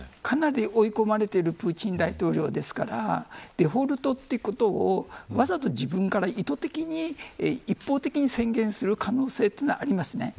かなり追い込まれているプーチン大統領ですからデフォルトということをわざと自分から意図的に一方的に宣言する可能性はあります。